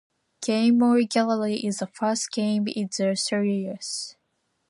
"Game Boy Gallery" is the first game in the series.